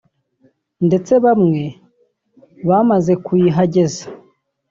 ndetse bamwe bamaze kuyihageza